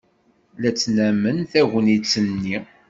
La ttnamen tagnit-nni.